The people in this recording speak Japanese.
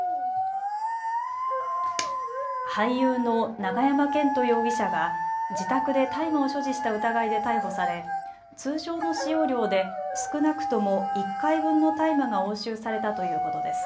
俳優の永山絢斗容疑者が自宅で大麻を所持した疑いで逮捕され通常の使用量で少なくとも１回分の大麻が押収されたということです。